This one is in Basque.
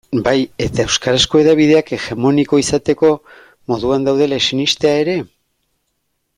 Bai eta euskarazko hedabideak hegemoniko izateko moduan daudela sinestea ere?